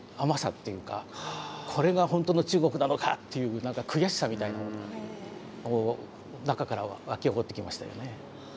これが本当の中国なのかっていう何か悔しさみたいなもの中からはわき起こってきましたよね。